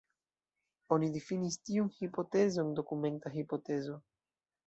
Oni difinis tiun hipotezon dokumenta hipotezo.